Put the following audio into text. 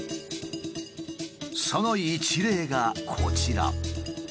その一例がこちら。